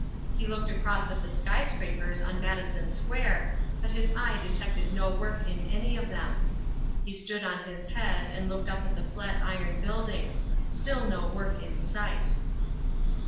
He looked across at the skyscrapers on Madison Square, but his eye detected no work in any of them. He stood on his head and looked up at the flat iron building. Still no work in sight.